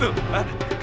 kamu tak sepaku